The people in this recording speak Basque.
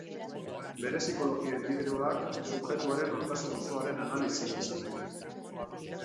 Bere psikologia indibidualak subjektuaren nortasun osoaren analisia izan nahi du.